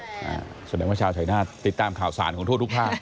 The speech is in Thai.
แสดงว่าชาวชายนาฏติดตามข่าวสารของทั่วทุกภาค